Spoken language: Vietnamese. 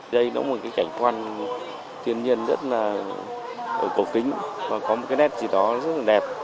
đây nó một cái cảnh quan thiên nhiên rất là cổ kính và có một cái nét gì đó rất là đẹp